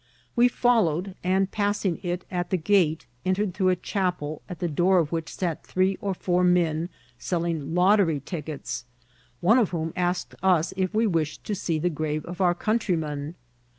We followed, and passing it at the gate, entered through a chapel, at the door of which sat three or four men selling lottery tickets, one of whom asked us if we wished to see the grave of our countryman.